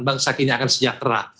bangsa kita akan sejahtera